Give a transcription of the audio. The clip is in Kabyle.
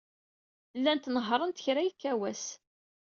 Llant nehhṛent kra yekka wass.